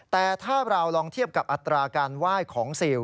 แต่ถ้าเราลองเทียบกับอัตราการไหว้ของซิล